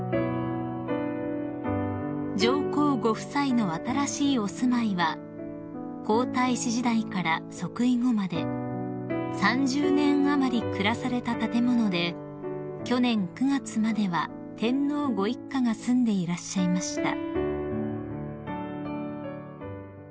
［上皇ご夫妻の新しいお住まいは皇太子時代から即位後まで３０年余り暮らされた建物で去年９月までは天皇ご一家が住んでいらっしゃいました］